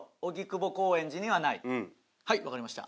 はいわかりました。